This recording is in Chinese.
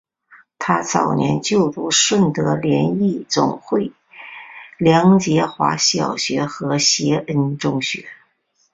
她早年就读顺德联谊总会梁洁华小学和协恩中学。